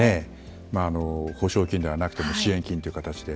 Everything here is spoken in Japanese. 補償金ではなくても支援金という形で。